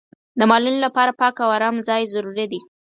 د مالونو لپاره پاک او ارامه ځای ضروري دی.